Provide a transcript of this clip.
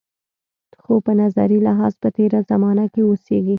خو په نظري لحاظ په تېره زمانه کې اوسېږي.